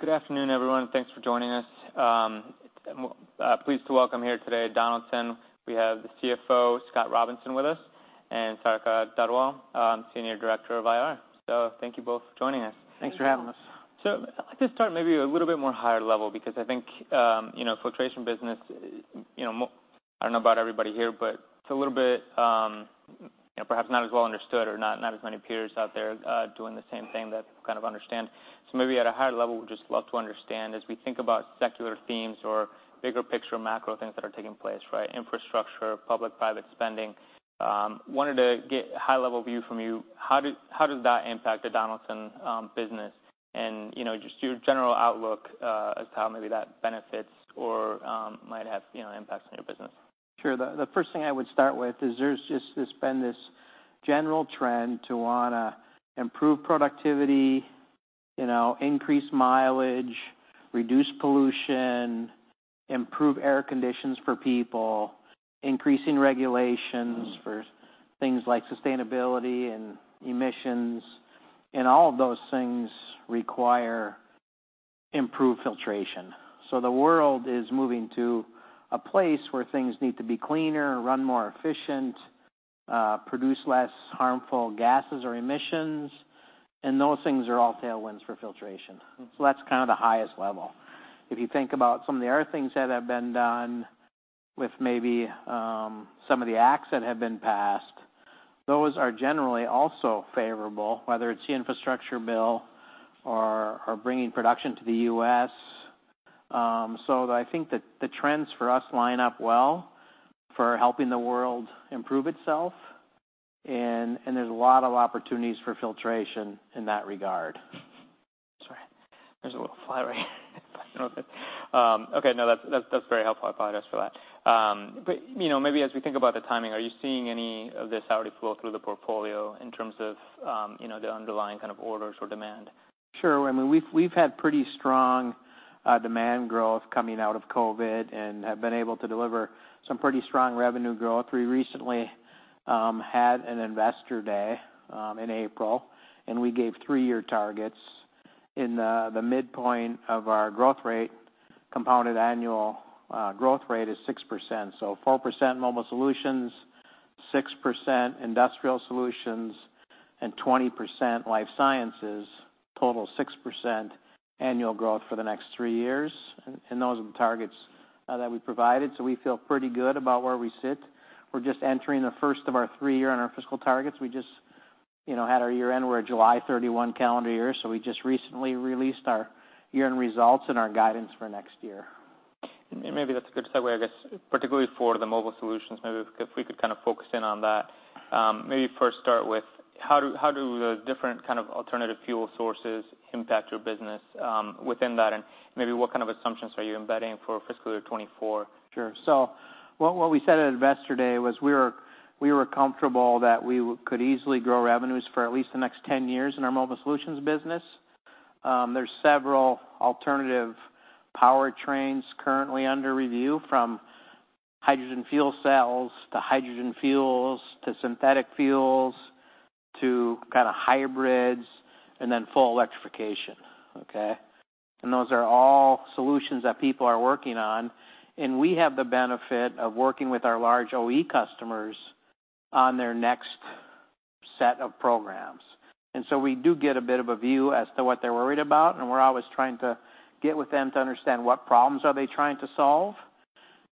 Good afternoon, everyone. Thanks for joining us. Pleased to welcome here today, Donaldson. We have the CFO, Scott Robinson, with us, and Sarika Dhadwal, Senior Director of IR. So thank you both for joining us. Thanks for having us. Thank you. So I'd like to start maybe a little bit more higher level because I think, you know, Filtration business, you know, I don't know about everybody here, but it's a little bit, perhaps not as well understood or not, not as many peers out there, doing the same thing that kind of understand. So maybe at a high level, we just love to understand, as we think about secular themes or bigger picture, macro things that are taking place, right? Infrastructure, public-private spending. Wanted to get a high-level view from you. How do, how does that impact the Donaldson business? And, you know, just your general outlook, as to how maybe that benefits or, might have, you know, impacts on your business. Sure. The first thing I would start with is there's just this been this general trend to want to improve productivity, you know, increase mileage, reduce pollution, improve air conditions for people, increasing regulations- Mm-hmm. for things like sustainability and emissions, and all of those things require improved filtration. So the world is moving to a place where things need to be cleaner, run more efficient, produce less harmful gases or emissions, and those things are all tailwinds for filtration. Mm-hmm. That's kind of the highest level. If you think about some of the other things that have been done with maybe some of the acts that have been passed, those are generally also favorable, whether it's the infrastructure bill or, or bringing production to the U.S. So I think that the trends for us line up well for helping the world improve itself, and, and there's a lot of opportunities for filtration in that regard. Sorry. There's a little fly right here. Okay, no, that's very helpful. I apologize for that. But, you know, maybe as we think about the timing, are you seeing any of this already flow through the portfolio in terms of, you know, the underlying kind of orders or demand? Sure. I mean, we've had pretty strong demand growth coming out of COVID and have been able to deliver some pretty strong revenue growth. We recently had an Investor Day in April, and we gave three-year targets. In the midpoint of other growth rate, compounded annual growth rate is 6%. So 4% Mobile Solutions, 6% Industrial Solutions, and 20% Life Sciences, total 6% annual growth for the next three years, and those are the targets that we provided. So we feel pretty good about where we sit. We're just entering the first of our three-year on our fiscal targets. We just, you know, had our year-end. We're a July 31 calendar year, so we just recently released our year-end results and our guidance for next year. Maybe that's a good segue, I guess, particularly for the Mobile Solutions, maybe if we could kind of focus in on that. Maybe first start with, how do the different kind of alternative fuel sources impact your business, within that? And maybe what kind of assumptions are you embedding for fiscal year 2024? Sure. So what, what we said at Investor Day was we were, we were comfortable that we could easily grow revenues for at least the next 10 years in our Mobile Solutions business. There's several alternative powertrains currently under review, from hydrogen fuel cells, to hydrogen fuels, to synthetic fuels, to kinda hybrids, and then full electrification, okay? And those are all solutions that people are working on, and we have the benefit of working with our large OE customers on their next set of programs. And so we do get a bit of a view as to what they're worried about, and we're always trying to get with them to understand what problems are they trying to solve.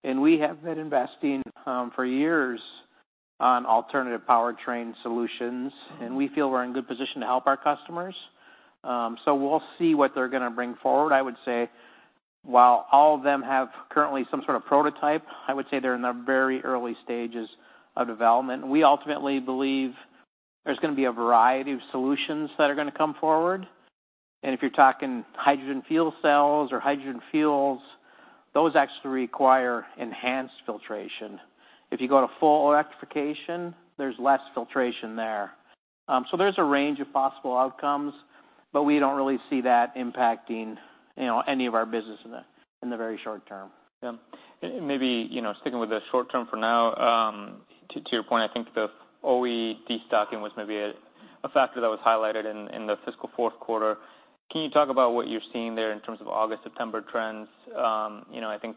And we have been investing for years on alternative powertrain solutions- Mm-hmm. And we feel we're in good position to help our customers. So we'll see what they're gonna bring forward. I would say, while all of them have currently some sort of prototype, I would say they're in the very early stages of development. We ultimately believe there's gonna be a variety of solutions that are gonna come forward. And if you're talking hydrogen fuel cells or hydrogen fuels, those actually require enhanced filtration. If you go to full electrification, there's less filtration there. So there's a range of possible outcomes, but we don't really see that impacting, you know, any of our business in the very short term. Yeah. And maybe, you know, sticking with the short term for now, to your point, I think the OE destocking was maybe a factor that was highlighted in the fiscal fourth quarter. Can you talk about what you're seeing there in terms of August, September trends? You know, I think,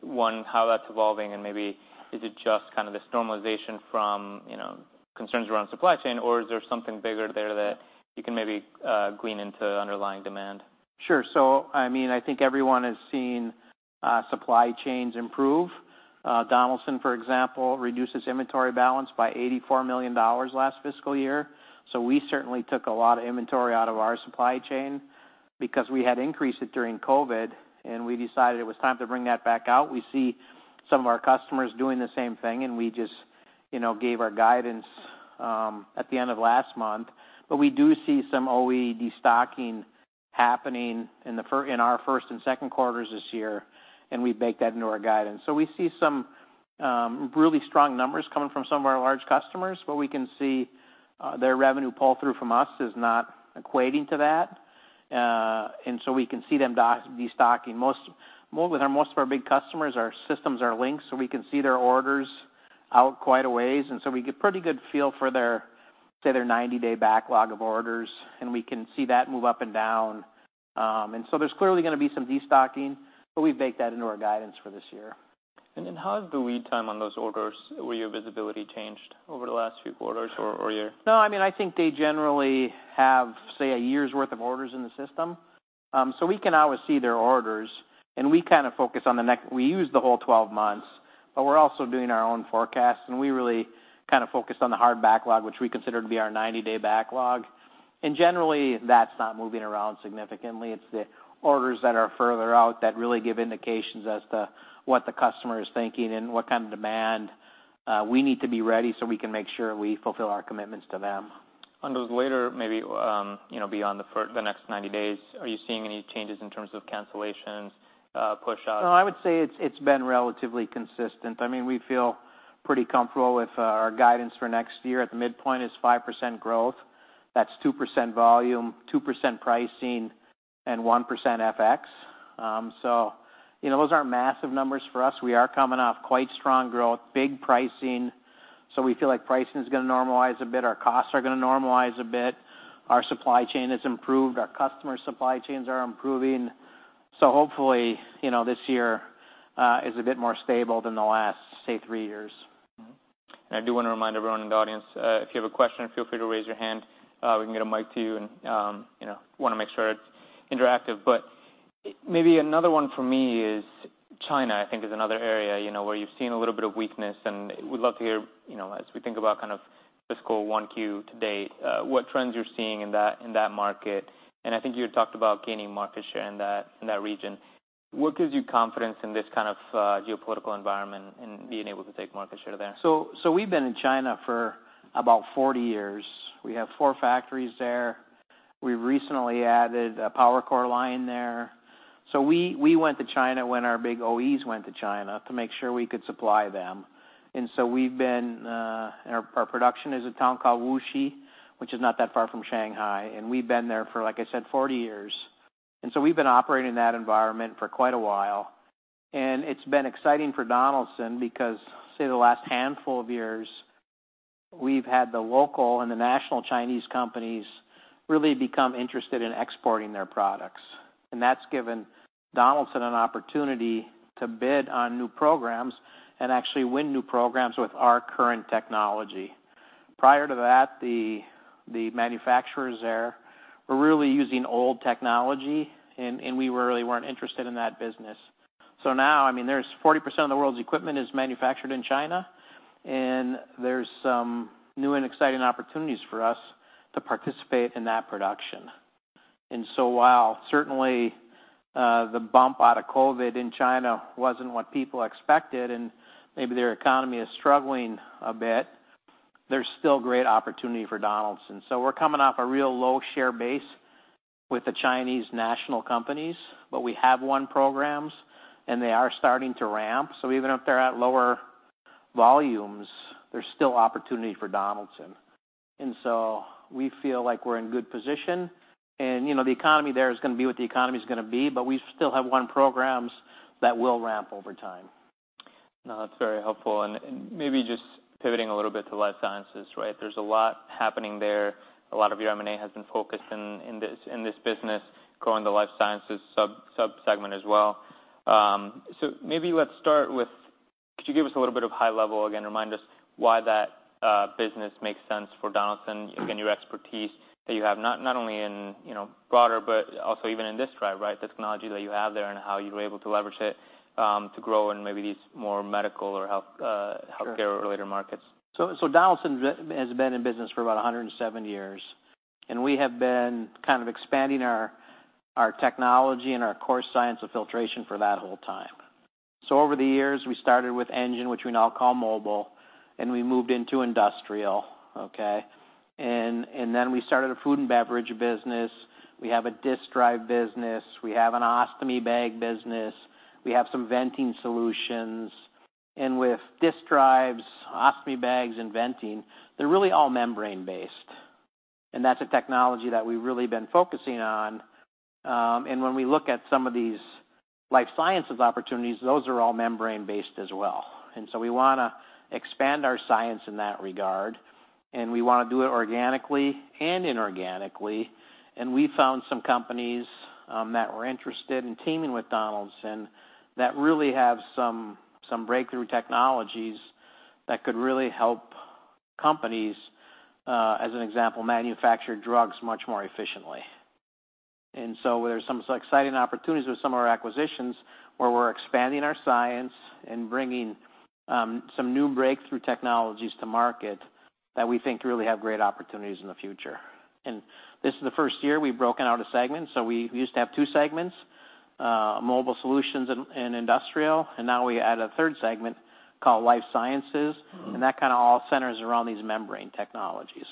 one, how that's evolving, and maybe is it just kind of this normalization from, you know, concerns around supply chain, or is there something bigger there that you can maybe glean into underlying demand? Sure. So I mean, I think everyone has seen supply chains improve. Donaldson, for example, reduced its inventory balance by $84 million last fiscal year. So we certainly took a lot of inventory out of our supply chain because we had increased it during COVID, and we decided it was time to bring that back out. We see some of our customers doing the same thing, and we just, you know, gave our guidance at the end of last month. But we do see some OE destocking happening in our first and second quarters this year, and we baked that into our guidance. So we see some really strong numbers coming from some of our large customers, but we can see their revenue pull-through from us is not equating to that. And so we can see them destocking. Most of our big customers, our systems are linked, so we can see their orders out quite a ways, and so we get pretty good feel for their, say, their 90-day backlog of orders, and we can see that move up and down. And so there's clearly going to be some destocking, but we've baked that into our guidance for this year. Then how is the lead time on those orders? Where your visibility changed over the last few quarters or year? No, I mean, I think they generally have, say, a year's worth of orders in the system. So we can always see their orders, and we kind of focus on the next—we use the whole 12 months, but we're also doing our own forecast, and we really kind of focus on the hard backlog, which we consider to be our 90-day backlog. And generally, that's not moving around significantly. It's the orders that are further out that really give indications as to what the customer is thinking and what kind of demand we need to be ready for so we can make sure we fulfill our commitments to them. On those later, maybe, you know, beyond the next 90 days, are you seeing any changes in terms of cancellations, pushouts? No, I would say it's, it's been relatively consistent. I mean, we feel pretty comfortable with our guidance for next year. At the midpoint is 5% growth. That's 2% volume, 2% pricing, and 1% FX. So, you know, those aren't massive numbers for us. We are coming off quite strong growth, big pricing, so we feel like pricing is going to normalize a bit, our costs are going to normalize a bit, our supply chain has improved, our customer supply chains are improving. So hopefully, you know, this year is a bit more stable than the last, say, three years. And I do want to remind everyone in the audience, if you have a question, feel free to raise your hand. We can get a mic to you and, you know, want to make sure it's interactive. But maybe another one for me is China, I think, is another area, you know, where you've seen a little bit of weakness, and we'd love to hear, you know, as we think about kind of fiscal 1Q to date, what trends you're seeing in that, in that market. And I think you had talked about gaining market share in that, in that region. What gives you confidence in this kind of geopolitical environment and being able to take market share there? So, we've been in China for about 40 years. We have four factories there. We recently added a PowerCore line there. So we went to China when our big OEs went to China to make sure we could supply them. So we've been. Our production is a town called Wuxi, which is not that far from Shanghai, and we've been there for, like I said, 40 years. So we've been operating in that environment for quite a while. And it's been exciting for Donaldson because, say, the last handful of years, we've had the local and the national Chinese companies really become interested in exporting their products. And that's given Donaldson an opportunity to bid on new programs and actually win new programs with our current technology. Prior to that, the manufacturers there were really using old technology, and we really weren't interested in that business. So now, I mean, there's 40% of the world's equipment is manufactured in China, and there's some new and exciting opportunities for us to participate in that production. And so while certainly, the bump out of COVID in China wasn't what people expected, and maybe their economy is struggling a bit, there's still great opportunity for Donaldson. So we're coming off a real low share base with the Chinese national companies, but we have won programs, and they are starting to ramp. So even if they're at lower volumes, there's still opportunity for Donaldson. And so we feel like we're in good position. You know, the economy there is going to be what the economy is going to be, but we still have won programs that will ramp over time. No, that's very helpful. And maybe just pivoting a little bit to Life Sciences, right? There's a lot happening there. A lot of your M&A has been focused in this business, growing the Life Sciences subsegment as well. So maybe let's start with, could you give us a little bit of high level again, remind us why that business makes sense for Donaldson? Again, your expertise that you have not only in, you know, broader, but also even in this drive, right? The technology that you have there and how you were able to leverage it to grow in maybe these more medical or health Sure healthcare-related markets. So Donaldson has been in business for about 107 years, and we have been kind of expanding our technology and our core science of filtration for that whole time. So over the years, we started with engine, which we now call mobile, and we moved into industrial, okay? Then we started a Food & Beverage business, we have a Disk Drive business, we have an Ostomy Bag business, we have some Venting Solutions. And with disk drives, ostomy bags, and venting, they're really all membrane-based, and that's a technology that we've really been focusing on. And when we look at some of these Life Sciences opportunities, those are all membrane-based as well. And so we want to expand our science in that regard, and we want to do it organically and inorganically. We found some companies that were interested in teaming with Donaldson that really have some breakthrough technologies that could really help companies, as an example, manufacture drugs much more efficiently. So there's some exciting opportunities with some of our acquisitions, where we're expanding our science and bringing some new breakthrough technologies to market that we think really have great opportunities in the future. This is the first year we've broken out a segment, so we used to have two segments, Mobile Solutions and Industrial, and now we add a third segment called Life Sciences. Mm-hmm. And that kind of all centers around these membrane technologies.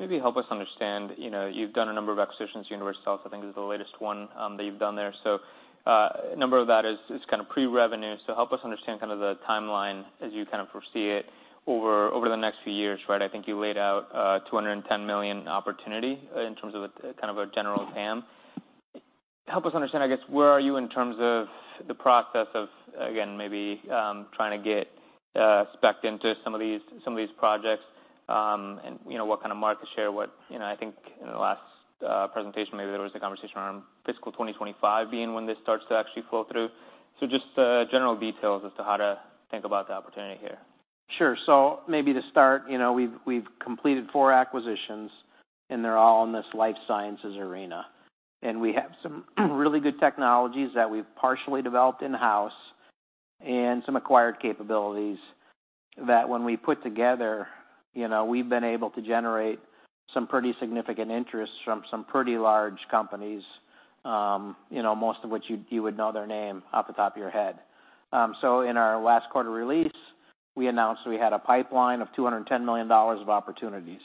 Maybe help us understand, you know, you've done a number of acquisitions. Univercells, I think, is the latest one, that you've done there. So, a number of that is, is kind of pre-revenue. So help us understand kind of the timeline as you kind of foresee it over, over the next few years, right? I think you laid out, $210 million opportunity in terms of a, kind of a general TAM. Help us understand, I guess, where are you in terms of the process of, again, maybe, trying to get, spec into some of these, some of these projects, and, you know, what kind of market share, what- you know, I think in the last, presentation, maybe there was a conversation around fiscal 2025 being when this starts to actually flow through. Just general details as to how to think about the opportunity here. Sure. So maybe to start, you know, we've completed four acquisitions, and they're all in this Life Sciences arena. And we have some really good technologies that we've partially developed in-house and some acquired capabilities that when we put together, you know, we've been able to generate some pretty significant interest from some pretty large companies, you know, most of which you would know their name off the top of your head. So in our last quarter release, we announced we had a pipeline of $210 million of opportunities.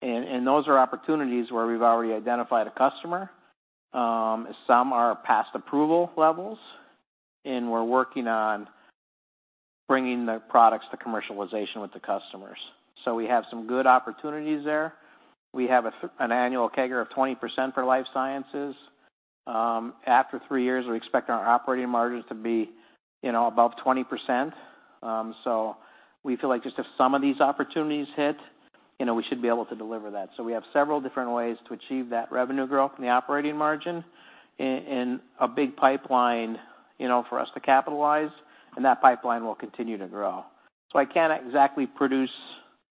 And those are opportunities where we've already identified a customer, some are past approval levels, and we're working on bringing the products to commercialization with the customers. So we have some good opportunities there. We have an annual CAGR of 20% for Life Sciences. After three years, we expect our operating margins to be, you know, above 20%. So we feel like just if some of these opportunities hit, you know, we should be able to deliver that. So we have several different ways to achieve that revenue growth in the operating margin, and a big pipeline, you know, for us to capitalize, and that pipeline will continue to grow. So I can't exactly produce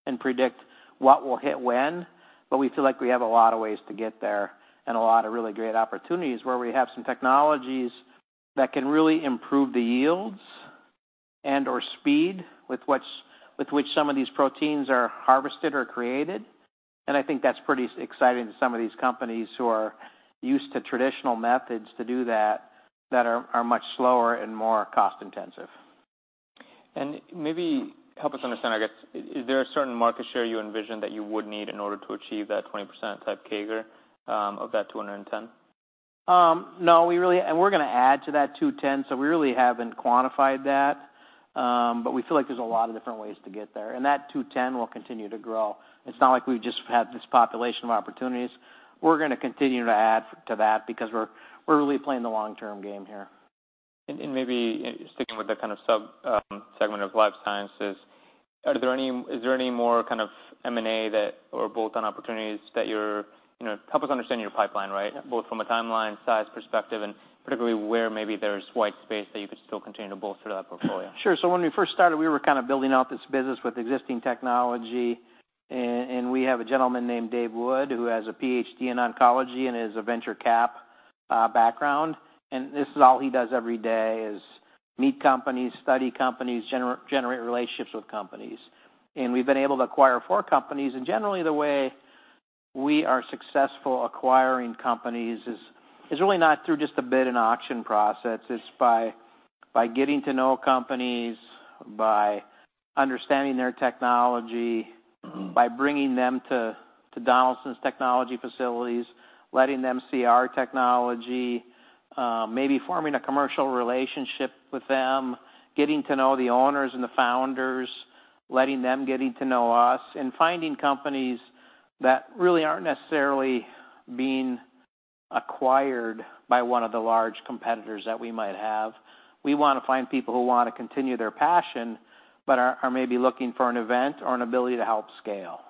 and predict what will hit when, but we feel like we have a lot of ways to get there and a lot of really great opportunities where we have some technologies that can really improve the yields and/or speed with which some of these proteins are harvested or created. I think that's pretty exciting to some of these companies who are used to traditional methods to do that, that are much slower and more cost-intensive. Maybe help us understand, I guess, is there a certain market share you envision that you would need in order to achieve that 20% type CAGR of that $210? No, we really, and we're gonna add to that $210, so we really haven't quantified that, but we feel like there's a lot of different ways to get there. And that $210 will continue to grow. It's not like we've just had this population of opportunities. We're gonna continue to add to that because we're really playing the long-term game here. Maybe sticking with the kind of sub-segment of Life Sciences, is there any more kind of M&A or bolt-on opportunities that you're, you know, help us understand your pipeline, right? Both from a timeline, size, perspective, and particularly where maybe there's white space that you could still continue to bolster that portfolio. Sure. So when we first started, we were kind of building out this business with existing technology, and we have a gentleman named Dave Wood, who has a Ph.D. in oncology and has a venture capital background, and this is all he does every day, is meet companies, study companies, generate relationships with companies. And we've been able to acquire four companies, and generally, the way we are successful acquiring companies is really not through just a bid and auction process. It's by getting to know companies, by understanding their technology, by bringing them to Donaldson's technology facilities, letting them see our technology, maybe forming a commercial relationship with them, getting to know the owners and the founders, letting them getting to know us, and finding companies that really aren't necessarily being acquired by one of the large competitors that we might have. We want to find people who want to continue their passion, but are maybe looking for an event or an ability to help scale.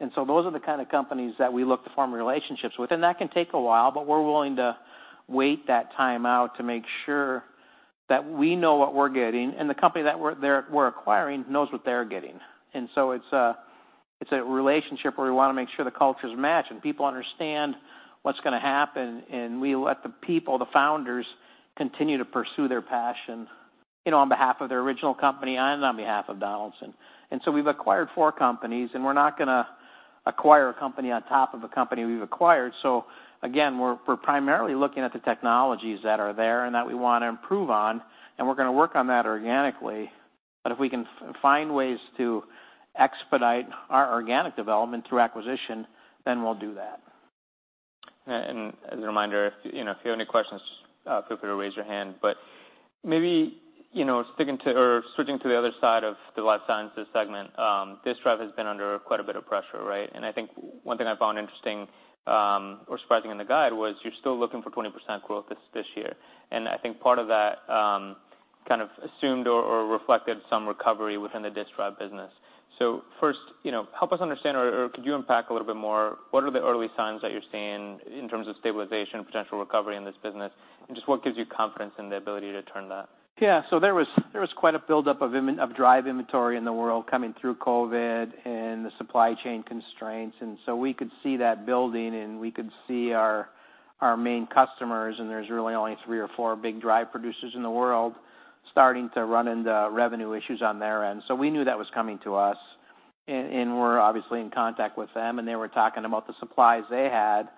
And so those are the kind of companies that we look to form relationships with, and that can take a while, but we're willing to wait that time out to make sure that we know what we're getting, and the company that we're acquiring knows what they're getting. And so it's a relationship where we want to make sure the cultures match and people understand what's gonna happen, and we let the people, the founders, continue to pursue their passion, you know, on behalf of their original company and on behalf of Donaldson. And so we've acquired four companies, and we're not gonna acquire a company on top of a company we've acquired. So again, we're primarily looking at the technologies that are there and that we want to improve on, and we're gonna work on that organically. But if we can find ways to expedite our organic development through acquisition, then we'll do that. As a reminder, if you know, if you have any questions, feel free to raise your hand. But maybe, you know, sticking to or switching to the other side of the Life Sciences segment, disk drive has been under quite a bit of pressure, right? And I think one thing I found interesting, or surprising in the guide was you're still looking for 20% growth this year. And I think part of that, kind of assumed or reflected some recovery within the Disk Drive business. So first, you know, help us understand or could you unpack a little bit more, what are the early signs that you're seeing in terms of stabilization, potential recovery in this business, and just what gives you confidence in the ability to turn that? Yeah. So there was quite a buildup of inventory of drive inventory in the world coming through COVID and the supply chain constraints, and so we could see that building, and we could see our main customers, and there's really only three or four big drive producers in the world, starting to run into revenue issues on their end. So we knew that was coming to us, and we're obviously in contact with them, and they were talking about the supplies they had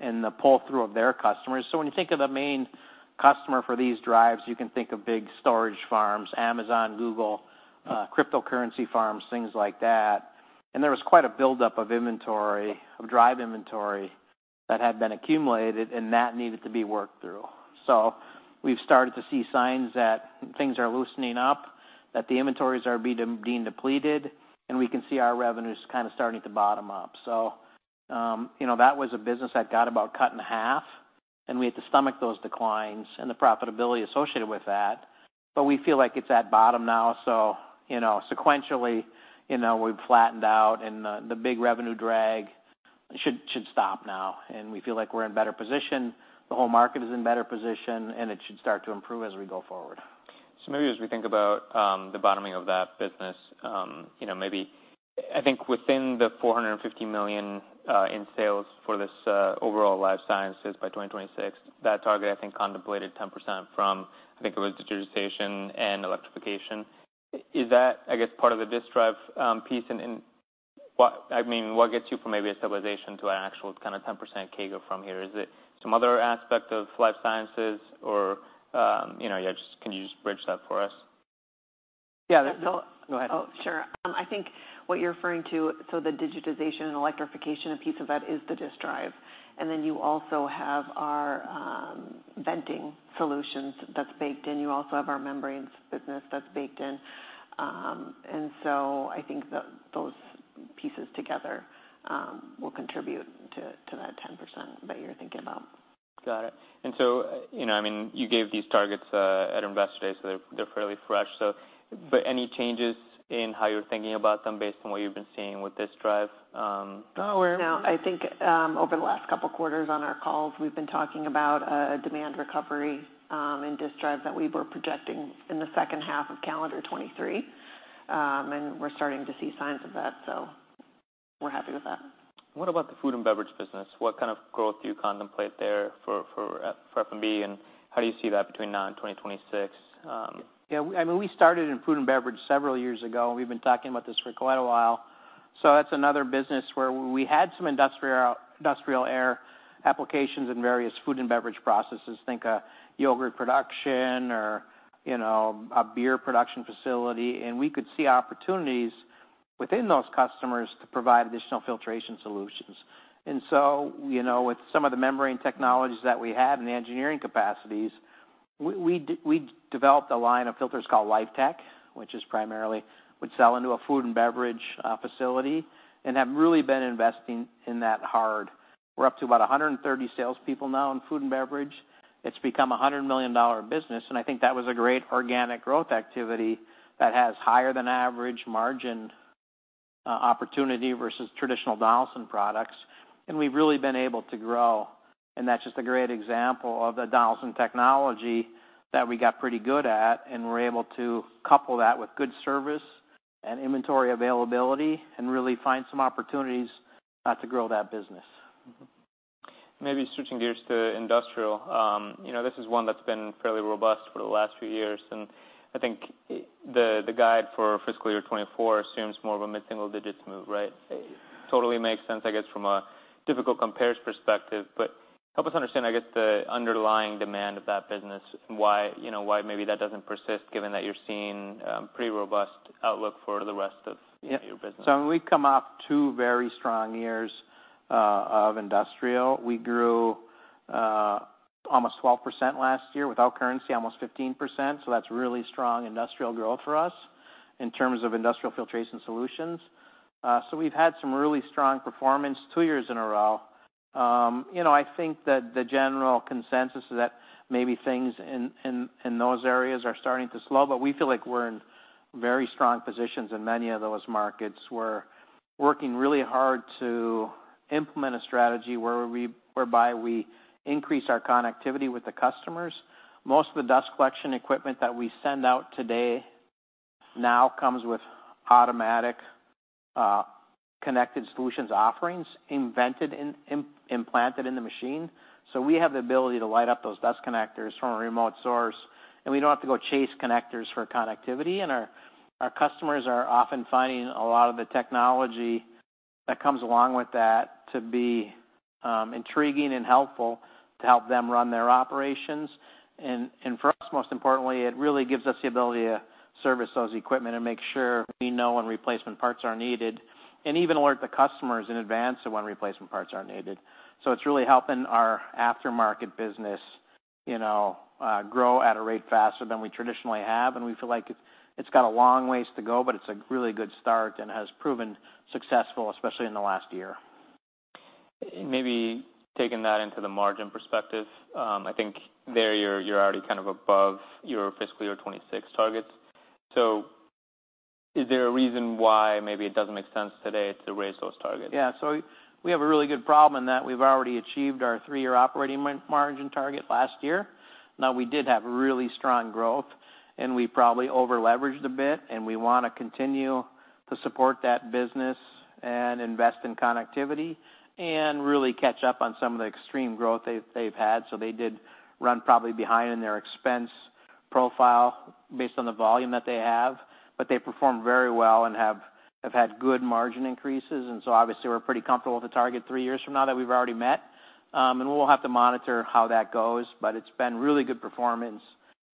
and the pull-through of their customers. So when you think of the main customer for these drives, you can think of big storage farms, Amazon, Google, cryptocurrency farms, things like that. There was quite a buildup of inventory, of drive inventory, that had been accumulated, and that needed to be worked through. So we've started to see signs that things are loosening up, that the inventories are being depleted, and we can see our revenues kind of starting to bottom up. So, you know, that was a business that got about cut in half, and we had to stomach those declines and the profitability associated with that. But we feel like it's at bottom now. So, you know, sequentially, you know, we've flattened out and the big revenue drag should stop now, and we feel like we're in better position. The whole market is in better position, and it should start to improve as we go forward. So maybe as we think about, the bottoming of that business, you know, maybe I think within the $450 million in sales for this overall Life Sciences by 2026, that target, I think, contemplated 10% from, I think it was digitization and electrification. Is that, I guess, part of the disk drive piece and in what I mean, what gets you from maybe a stabilization to an actual kind of 10% CAGR from here? Is it some other aspect of Life Sciences or, you know, yeah, just can you just bridge that for us? Yeah. No, go ahead. Oh, sure. I think what you're referring to, so the digitization and electrification, a piece of that is the disk drive. And then you also have our Venting Solutions that's baked in. You also have our Membranes business that's baked in. And so I think that those pieces together will contribute to that 10% that you're thinking about. Got it. And so, you know, I mean, you gave these targets at Investor Day, so they're, they're fairly fresh. So, but any changes in how you're thinking about them based on what you've been seeing with this drive? No, we're- No, I think, over the last couple of quarters on our calls, we've been talking about a, a demand recovery, in disk drive that we were projecting in the second half of calendar 2023. And we're starting to see signs of that, so we're happy with that. What about the Food & Beverage business? What kind of growth do you contemplate there for F&B, and how do you see that between now and 2026? Yeah, I mean, we started in Food & Beverage several years ago, and we've been talking about this for quite a while. So that's another business where we had some industrial, industrial air applications in various Food & Beverage processes. Think a yogurt production or, you know, a beer production facility, and we could see opportunities within those customers to provide additional Filtration Solutions. And so, you know, with some of the membrane technologies that we had in the engineering capacities, we developed a line of filters called LifeTec, which is primarily, would sell into a Food & Beverage facility, and have really been investing in that hard. We're up to about 130 salespeople now in Food & Beverage. It's become a $100 million business, and I think that was a great organic growth activity that has higher than average margin, opportunity versus traditional Donaldson products, and we've really been able to grow. And that's just a great example of the Donaldson technology that we got pretty good at, and we're able to couple that with good service and inventory availability and really find some opportunities, to grow that business. Mm-hmm. Maybe switching gears to industrial. You know, this is one that's been fairly robust for the last few years, and I think the guide for fiscal year 2024 assumes more of a mid-single digits move, right? Totally makes sense, I guess, from a difficult compares perspective, but help us understand, I guess, the underlying demand of that business. Why, you know, why maybe that doesn't persist, given that you're seeing pretty robust outlook for the rest of- Yeah your business. So we've come off two very strong years of industrial. We grew almost 12% last year. Without currency, almost 15%, so that's really strong industrial growth for us in terms of Industrial Filtration Solutions. So we've had some really strong performance two years in a row. You know, I think that the general consensus is that maybe things in those areas are starting to slow, but we feel like we're in very strong positions in many of those markets. We're working really hard to implement a strategy whereby we increase our connectivity with the customers. Most of the dust collection equipment that we send out today now comes with automatic connected solutions offerings implanted in the machine. So we have the ability to light up those dust connectors from a remote source, and we don't have to go chase connectors for connectivity. And our, our customers are often finding a lot of the technology that comes along with that to be, intriguing and helpful to help them run their operations. And, and for us, most importantly, it really gives us the ability to service those equipment and make sure we know when replacement parts are needed, and even alert the customers in advance of when replacement parts are needed. So it's really helping our aftermarket business, you know, grow at a rate faster than we traditionally have, and we feel like it's, it's got a long ways to go, but it's a really good start and has proven successful, especially in the last year. Maybe taking that into the margin perspective, I think there you're already kind of above your fiscal year 2026 targets. So is there a reason why maybe it doesn't make sense today to raise those targets? Yeah. So we have a really good problem in that we've already achieved our three-year operating margin target last year. Now, we did have really strong growth, and we probably over-leveraged a bit, and we want to continue to support that business and invest in connectivity and really catch up on some of the extreme growth they've had. So they did run probably behind in their expense profile based on the volume that they have, but they performed very well and have had good margin increases. And so obviously, we're pretty comfortable with the target three years from now that we've already met. And we'll have to monitor how that goes, but it's been really good performance,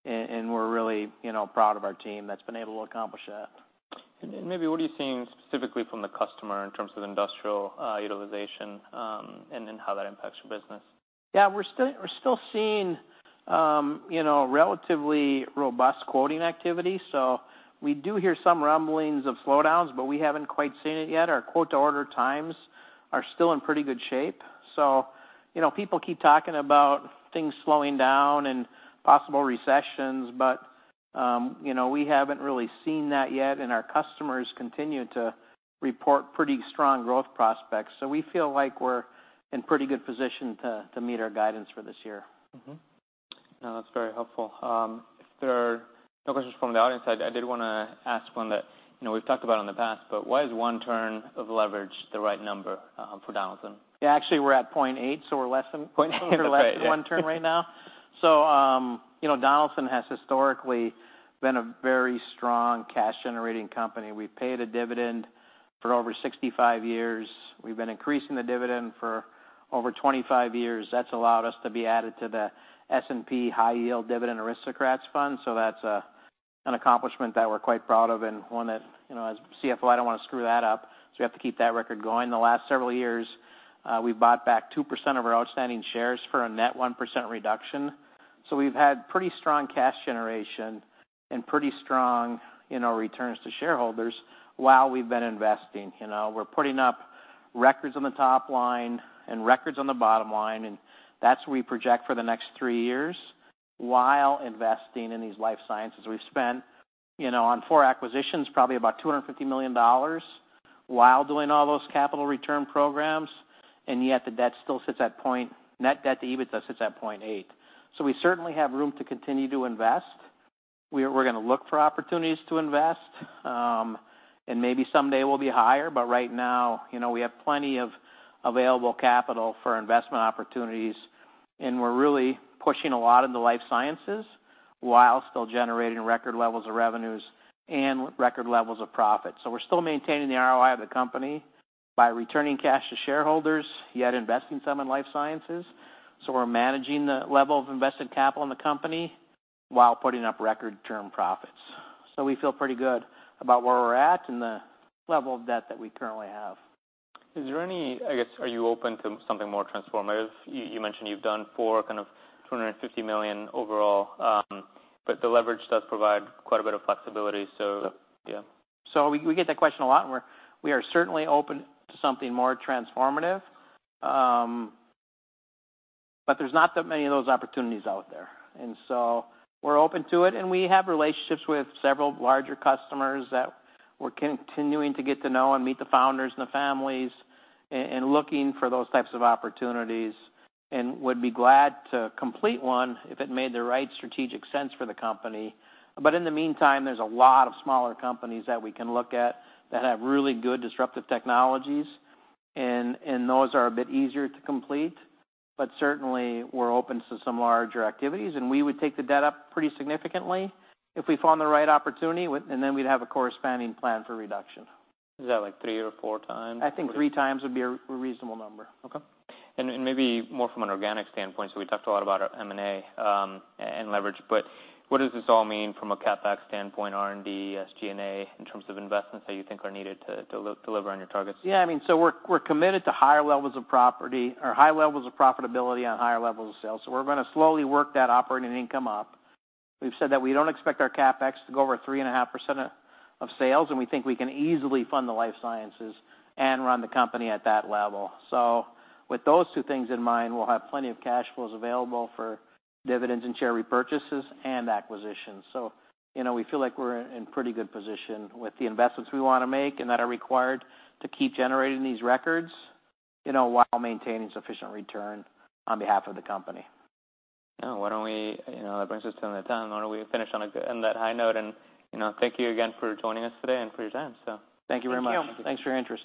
and we're really, you know, proud of our team that's been able to accomplish that. And maybe what are you seeing specifically from the customer in terms of industrial utilization, and then how that impacts your business? Yeah, we're still seeing, you know, relatively robust quoting activity. So we do hear some rumblings of slowdowns, but we haven't quite seen it yet. Our quote-to-order times are still in pretty good shape. So, you know, people keep talking about things slowing down and possible recessions, but, you know, we haven't really seen that yet, and our customers continue to report pretty strong growth prospects. So we feel like we're in pretty good position to meet our guidance for this year. Mm-hmm. No, that's very helpful. If there are no questions from the audience, I did wanna ask one that, you know, we've talked about in the past, but why is one turn of leverage the right number for Donaldson? Yeah, actually, we're at 0.8, so we're less than 0.8 or less than one turn right now. So, you know, Donaldson has historically been a very strong cash-generating company. We've paid a dividend for over 65 years. We've been increasing the dividend for over 25 years. That's allowed us to be added to the S&P High Yield Dividend Aristocrats fund. So that's, an accomplishment that we're quite proud of and one that, you know, as CFO, I don't want to screw that up, so we have to keep that record going. The last several years, we've bought back 2% of our outstanding shares for a net 1% reduction. So we've had pretty strong cash generation and pretty strong, you know, returns to shareholders while we've been investing. You know, we're putting up records on the top line and records on the bottom line, and that's what we project for the next three years, while investing in these Life Sciences. We've spent, you know, on four acquisitions, probably about $250 million while doing all those capital return programs, and yet net debt to EBITDA still sits at 0.8. So we certainly have room to continue to invest. We're gonna look for opportunities to invest, and maybe someday we'll be higher, but right now, you know, we have plenty of available capital for investment opportunities, and we're really pushing a lot in the Life Sciences while still generating record levels of revenues and record levels of profit. So we're still maintaining the ROI of the company by returning cash to shareholders, yet investing some in Life Sciences. We're managing the level of invested capital in the company while putting up record term profits. We feel pretty good about where we're at and the level of debt that we currently have. Is there any, I guess, are you open to something more transformative? You mentioned you've done four, kind of, $250 million overall, but the leverage does provide quite a bit of flexibility, so yeah. So we get that question a lot, and we are certainly open to something more transformative. But there's not that many of those opportunities out there, and so we're open to it, and we have relationships with several larger customers that we're continuing to get to know and meet the founders and the families, and looking for those types of opportunities, and would be glad to complete one if it made the right strategic sense for the company. But in the meantime, there's a lot of smaller companies that we can look at that have really good disruptive technologies, and those are a bit easier to complete. But certainly, we're open to some larger activities, and we would take the debt up pretty significantly if we found the right opportunity, and then we'd have a corresponding plan for reduction. Is that, like, 3x or 4x? I think 3x would be a reasonable number. Okay. And maybe more from an organic standpoint, so we talked a lot about our M&A, and leverage, but what does this all mean from a CapEx standpoint, R&D, SG&A, in terms of investments that you think are needed to deliver on your targets? Yeah, I mean, so we're committed to higher levels of profitability on higher levels of sales. So we're gonna slowly work that operating income up. We've said that we don't expect our CapEx to go over 3.5% of sales, and we think we can easily fund the Life Sciences and run the company at that level. So with those two things in mind, we'll have plenty of cash flows available for dividends and share repurchases and acquisitions. So, you know, we feel like we're in pretty good position with the investments we wanna make and that are required to keep generating these records, you know, while maintaining sufficient return on behalf of the company. Yeah, why don't we, you know, that brings us to the time. Why don't we finish on a high note, and, you know, thank you again for joining us today and for your time. So thank you very much. Thank you. Thanks for your interest.